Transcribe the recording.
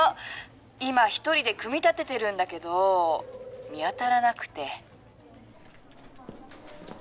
今１人で組み立ててるんだけど見当たらなくて。